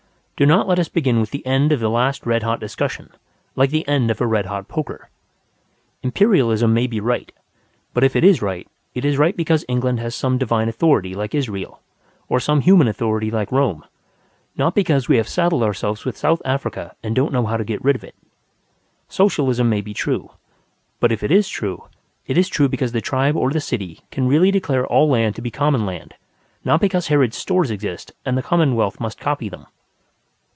Do not let us begin with the end of the last red hot discussion like the end of a red hot poker. Imperialism may be right. But if it is right, it is right because England has some divine authority like Israel, or some human authority like Rome; not because we have saddled ourselves with South Africa, and don't know how to get rid of it. Socialism may be true. But if it is true, it is true because the tribe or the city can really declare all land to be common land, not because Harrod's Stores exist and the commonwealth must copy them.